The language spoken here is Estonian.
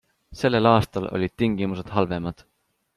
Sellel aastal olid tingimused halvemad.